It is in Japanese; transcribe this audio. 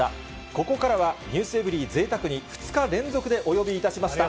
ここからは、ｎｅｗｓｅｖｅｒｙ．ぜいたくに２日連続でお呼びいたしました。